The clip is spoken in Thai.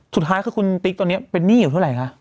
สุดท้ายคือคุณติ๊กตอนนี้เป็นหนี้อยู่เท่าไหร่คะ